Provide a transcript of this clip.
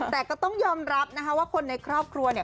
แต่ก็ต้องยอมรับนะคะว่าคนในครอบครัวเนี่ย